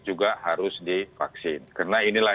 juga harus divaksin karena inilah